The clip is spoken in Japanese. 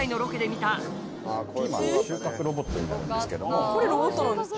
続いてこれロボットなんですか？